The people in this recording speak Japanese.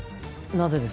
なぜです？